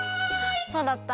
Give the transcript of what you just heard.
そうだった。